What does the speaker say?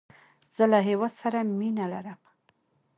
زه له هیواد سره مینه لرم